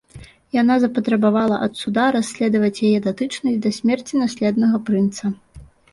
Яна запатрабавала ад суда расследаваць яе датычнасць да смерці наследнага прынца.